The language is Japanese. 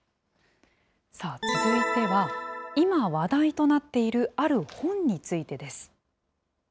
さあ、続いては、今話題となっている、ある本についてです。